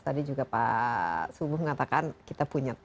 tadi juga pak subuh mengatakan kita punya